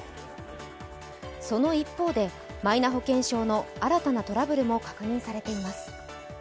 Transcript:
その一方で、マイナ保険証の新たなトラブルも確認されています。